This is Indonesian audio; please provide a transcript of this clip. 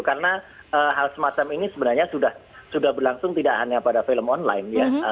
karena hal semacam ini sebenarnya sudah berlangsung tidak hanya pada film online